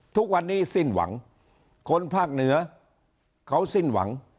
ทุกวันนี้สิ้นหวังคนภาคเหนือเขาสิ้นหวัง